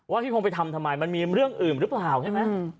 พี่คงไปทำทำไมมันมีเรื่องอื่นหรือเปล่าใช่ไหม